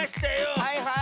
はいはい！